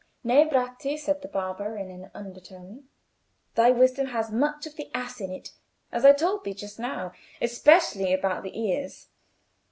"Nay, Bratti," said the barber in an undertone, "thy wisdom has much of the ass in it, as I told thee just now; especially about the ears.